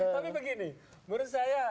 tapi begini menurut saya